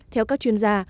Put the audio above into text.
theo các chuyên gia